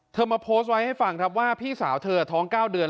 เธอมาโพสไว้ให้ฟังว่าพี่สาวเธอท้อง๙เดือน